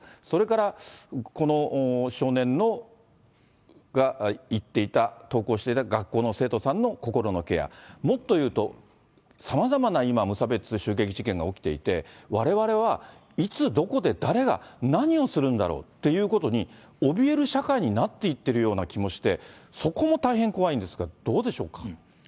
それからこの少年が行っていた、登校していた学校の生徒さんの心のケア、もっと言うと、さまざまな今、無差別襲撃事件が起きていて、われわれはいつ、どこで、誰が、何をするんだろうということにおびえる社会になっていっているような気もして、そこも大変怖いんですが、どうでしょうか。